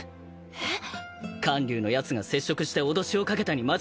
えっ！？